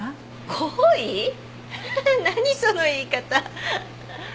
フフ何その言い方。